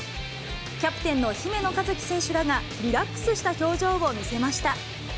キャプテンの姫野和樹選手らが、リラックスした表情を見せました。